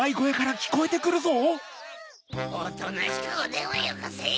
・おとなしくおでんをよこせ！